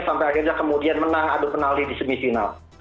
sampai akhirnya kemudian menang adu penali di semifinal